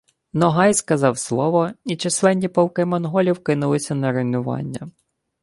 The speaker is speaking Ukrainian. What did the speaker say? «Ногай сказав слово, і численні полки Моголів кинулися на руйнування